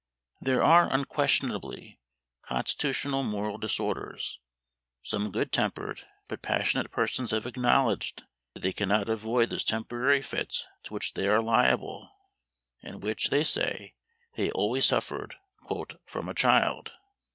There are, unquestionably, constitutional moral disorders; some good tempered but passionate persons have acknowledged, that they cannot avoid those temporary fits to which they are liable, and which, they say, they always suffered "from a child."